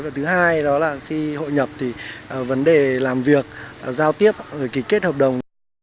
và thứ hai khi hội nhập vấn đề làm việc giao tiếp kỳ kết hợp đồng